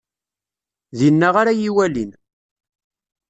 Dinna ara yi-walin.